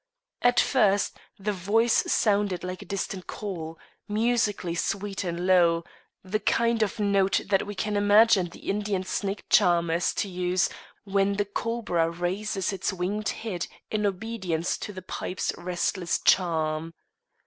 At first the voice sounded like a distant call, musically sweet and low; the kind of note that we can imagine the Indian snake charmers to use when the cobra raises its winged head in obedience to the pipe's resistless charm.